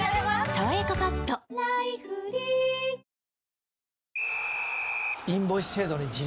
「さわやかパッド」「ワイド！